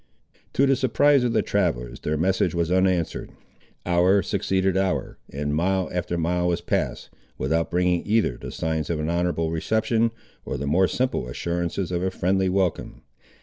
To the surprise of the travellers their message was unanswered. Hour succeeded hour, and mile after mile was passed, without bringing either the signs of an honourable reception, or the more simple assurances of a friendly welcome.